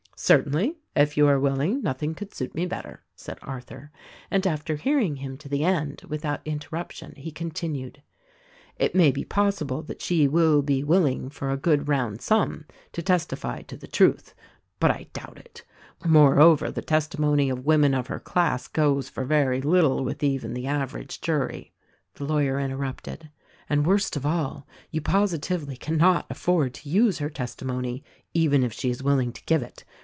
"Certainly, if you are willing, nothing could suit me better," said Arthur; and after hearing him to the end without interruption, he continued, "It may be possible that she will be willing, for a good round sum, to testify to THE RECORDING ANGEL 137 the truth — but I doubt it! Moreover, the testimony of women of her class goes for very little with even the aver age jury." The lawyer interrupted — "And worst of all, you positively can not afford to use her testimony, even if she is willing to give it.